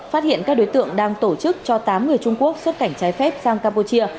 phát hiện các đối tượng đang tổ chức cho tám người trung quốc xuất cảnh trái phép sang campuchia